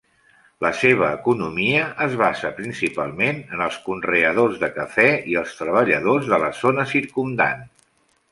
La seva economia es basa principalment en els conreadors de cafè i els treballadors de la zona circumdant.